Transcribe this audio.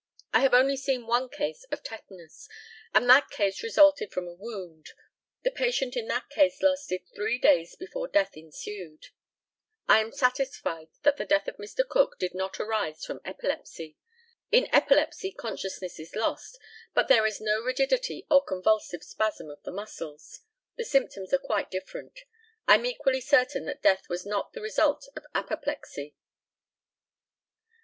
I have only seen one case of tetanus, and that case resulted from a wound. The patient in that case lasted three days before death ensued. I am satisfied that the death of Mr. Cook did not arise from epilepsy. In epilepsy consciousness is lost, but there is no rigidity or convulsive spasm of the muscles. The symptoms are quite different. I am equally certain that death was not the result of apoplexy.